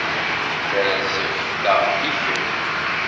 Tarzeft-a i kemm.